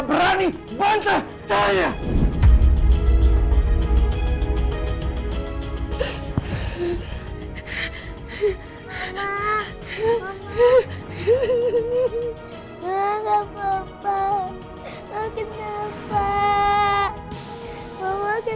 gak akan aku lepasin aku